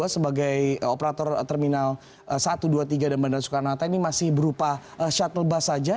sebagai operator terminal satu dua tiga dan bandara soekarno hatta ini masih berupa shuttle bus saja